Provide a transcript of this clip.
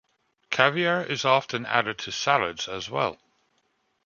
Caviar is often added to salads as well.